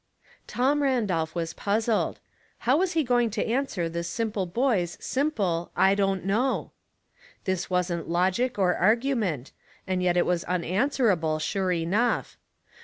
'* Thomson Randolph was puzzled. How was he going to answer this simple boy's simple, " I don't know ?" This wasn't logic nor argument, and yet it was unanswerable sure enough.